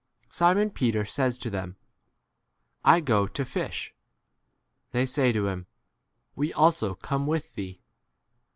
3 Simon Peter says to them, I go to fish. They say to him, We * also come with thee.